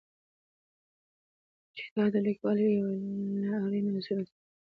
چې دا د لیکوالۍ یو له اړینو اصولو څخه دی.